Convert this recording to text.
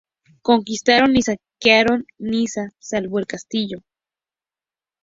Conquistaron y saquearon Niza, salvo el castillo.